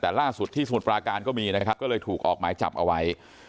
แต่ล่าสุดที่สมุทรปราการก็มีนะครับก็เลยถูกออกหมายจับเอาไว้